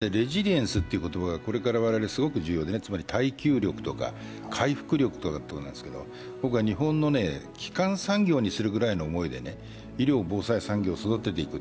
レジリエンスという言葉がこれから我々すごく大切でつまり耐久力とか回復力とかということなんですけど日本の基幹産業にするくらいの思いで医療・防災産業を育てていく。